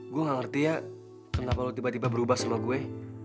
gue gak ngerti ya kenapa lo tiba tiba berubah sama gue